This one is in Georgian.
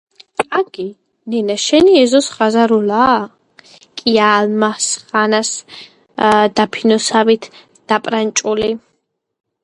აგი, ნენა, შენი ეზოს ხაზარულაა, კია ალმასხანას დაფინოსავით დაპრანჭული.